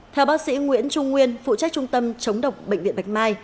theo bác sĩ nguyễn trung nguyên phụ trách trung tâm chống độc bệnh viện bạch mai